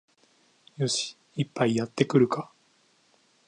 よし、一杯やってくるか